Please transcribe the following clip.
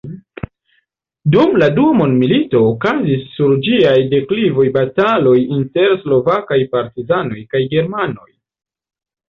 Dum la Dua mondmilito okazis sur ĝiaj deklivoj bataloj inter slovakaj partizanoj kaj germanoj.